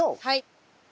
はい。